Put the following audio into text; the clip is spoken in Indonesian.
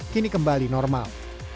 kini kembali normal